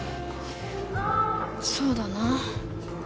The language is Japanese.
そうだな。